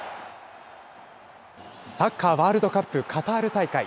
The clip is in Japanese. サッカーワールドカップカタール大会。